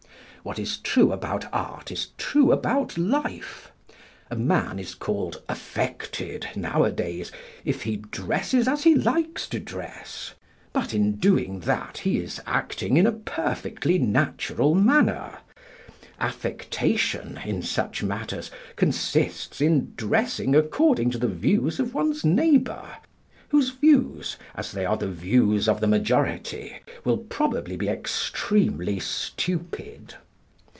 What is true about Art is true about Life. A man is called affected, nowadays, if he dresses as he likes to dress. But in doing that he is acting in a perfectly natural manner. Affectation, in such matters, consists in dressing according to the views of one's neighbour, whose views, as they are the views of the majority, will probably be extremely stupid.